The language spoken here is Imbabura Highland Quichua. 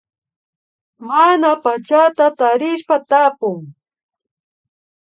Mana pachata tarishpa tapun